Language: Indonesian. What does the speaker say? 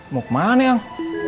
mau kemana yang